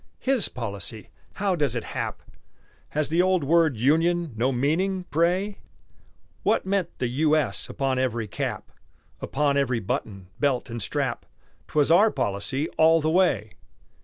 "His policy" how does it hap? Has the old word "Union" no meaning, pray? What meant the "U. S." upon every cap Upon every button, belt, and strap? 'Twas our policy all the way.